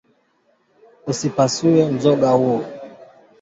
Usipasue mzoga huo